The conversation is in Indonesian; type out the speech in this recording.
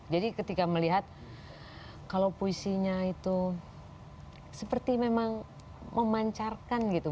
jadi ketika melihat kalau puisinya itu seperti memang memancarkan gitu